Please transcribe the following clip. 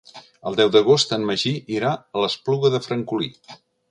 El deu d'agost en Magí irà a l'Espluga de Francolí.